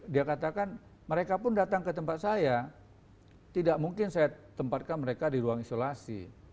dia katakan mereka pun datang ke tempat saya tidak mungkin saya tempatkan mereka di ruang isolasi